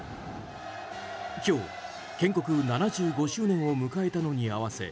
今日、建国７５周年を迎えたのに合わせ